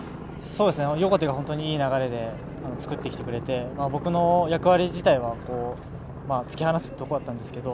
横手が本当にいい流れをつくってきてくれて、僕の役割自体は突き放すところだったんですけど